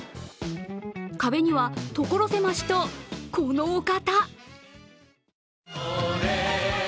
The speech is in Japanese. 壁には所狭しとこのお方！